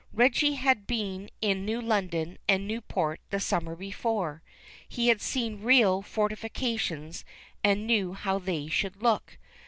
Reggie had been in New London and New port the summer before; he had seen real fortiflca tions and knew how they should look.